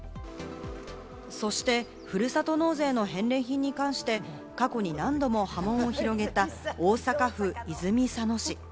そして、ふるさと納税の返礼品に関して、過去に何度も波紋を広げた、大阪府泉佐野市。